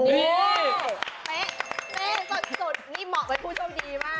เมนโดดนี่เหมาะไว้ผู้โชคดีมาก